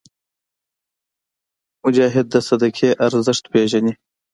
مجاهد د صدقې ارزښت پېژني.